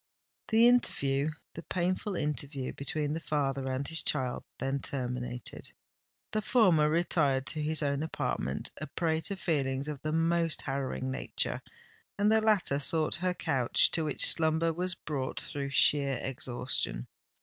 The interview—the painful interview between the father and his child then terminated. The former retired to his own apartment, a prey to feelings of the most harrowing nature; and the latter sought her couch, to which slumber was brought through sheer exhaustion.